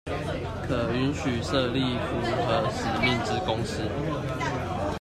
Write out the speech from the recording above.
可允許設立符合使命之公司